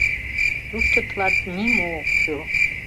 Тушто тылат нимо ок кӱл.